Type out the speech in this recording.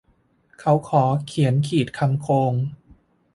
เขาขอเขียนขีดคำโคลง